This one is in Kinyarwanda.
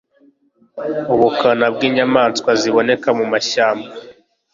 Ubukana bw'inyamaswa ziboneka mu mashyamba